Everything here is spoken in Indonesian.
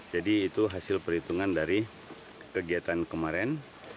jadi itu hasil perhitungan dari kegiatan kemarin